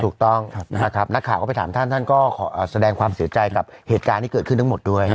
ถูกต้องนะครับนักข่าวก็ไปถามท่านท่านก็ขอแสดงความเสียใจกับเหตุการณ์ที่เกิดขึ้นทั้งหมดด้วย